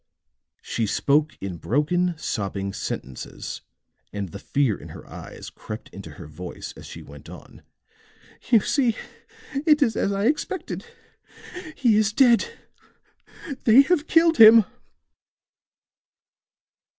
She spoke in broken, sobbing sentences; and the fear in her eyes crept into her voice as she went on. "You see, it is as I expected. He is dead. They have killed him."